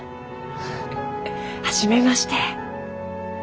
フフ初めまして！